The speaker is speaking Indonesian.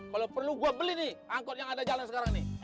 kalau perlu gue beli nih angkot yang ada jalan sekarang nih